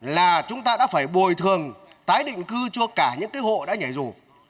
là chúng ta đã phải bồi thường tái định cư cho cả những hộ đã nhảy dù